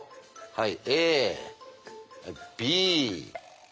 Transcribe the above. はい。